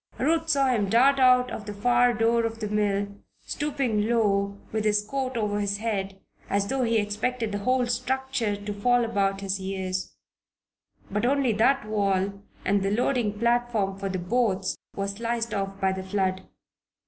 Ruth saw him dart out of the far door of the mill, stooping low and with his coat over his head as though he expected the whole structure to fall about his ears. But only that wall and the loading platform for the boats were sliced off by the flood.